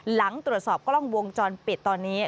หลังตรวจสอบกล้องวงจรปิดตอนนี้